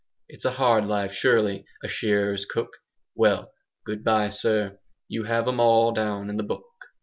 It's a hard life, surely, a shearers' cook. Well, good bye, sir, you have 'em all down in the book."